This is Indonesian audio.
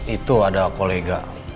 itu ada kolega